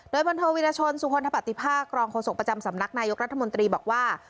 โดยพลโทวิรชนสุพลธปฏิภาครองโฆษกประจำสำนักนายกรัฐมนตรีบอกว่า